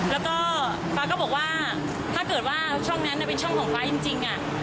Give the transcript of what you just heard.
แล้วก็ฟ้าก็บอกว่าถ้าเกิดว่าช่องนั้นเป็นช่องของฟ้าจริง